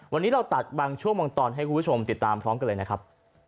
วันนี้เราตัดบางช่วงบางตอนให้คุณผู้ชมติดตามพร้อมกันเลยนะครับ